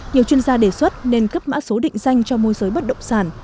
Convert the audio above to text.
nhiều chuyên gia đề xuất nên cấp mã số định danh cho môi giới bất động sản